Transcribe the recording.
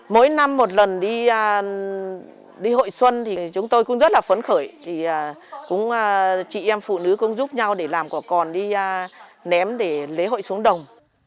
mỗi năm một lần đi hội xuân thì chúng tôi cũng rất là phấn khởi chị em phụ nữ cũng giúp nhau để làm quả còn đi ném để lấy hội xuống đồng